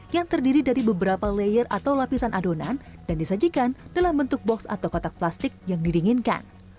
yang terdiri dari beberapa layer atau lapisan adonan dan disajikan dalam bentuk box atau kotak plastik yang didinginkan